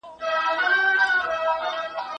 ملکي ویاړونه د سولې لامل ګرځي.